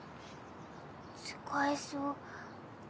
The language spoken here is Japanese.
使えそう。